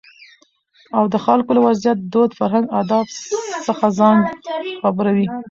او دخلکو له وضعيت، دود، فرهنګ اداب څخه ځان خبروي.